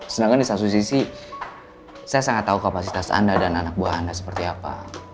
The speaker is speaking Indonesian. sedangkan di satu sisi saya sangat tahu kapasitas anda dan anak buah anda seperti apa